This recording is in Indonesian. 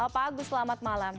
pak agus selamat malam